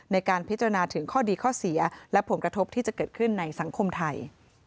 ในการพิจารณาถึงข้อดีข้อเสียและผลกระทบที่จะเกิดขึ้นในสังคมไทย